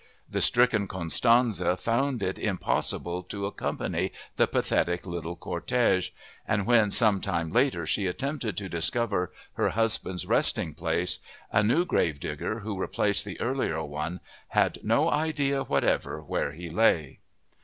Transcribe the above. The stricken Constanze found it impossible to accompany the pathetic little cortege; and when some time later she attempted to discover her husband's resting place, a new gravedigger who replaced the earlier one had no idea whatever where he lay.